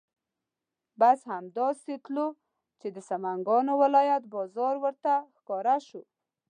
بس همدا سې تلو چې د سمنګانو ولایت بازار ورته ښکاره شو.